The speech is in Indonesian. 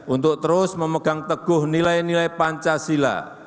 untuk terus memegang teguh nilai nilai pancasila